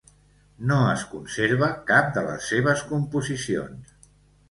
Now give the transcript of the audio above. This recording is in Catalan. No es conserva cap de les seves composicions.